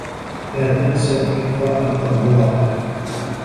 لا تنس إطفاء الأضواء.